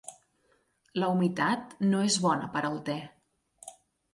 La humitat no és bona per al te.